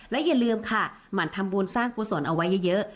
และอย่าลืมค่ะหมั่นทำบุญสร้างกุศลเอาไว้เยอะ